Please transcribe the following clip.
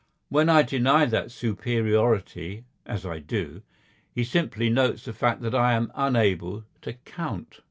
When I deny that superiority—as I do—he simply notes the fact that I am unable to count.